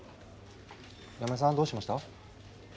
山根さんどうしました？